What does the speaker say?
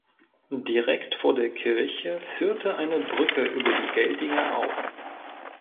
Direkt vor der Kirche führte eine Brücke über die Geltinger Au.